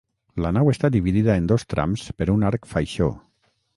La nau està dividida en dos trams per un arc faixó.